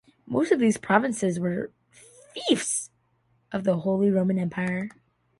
Most of these provinces were fiefs of the Holy Roman Empire.